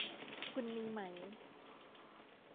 คุณมีไหม